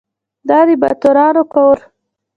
دا د باتورانو کور .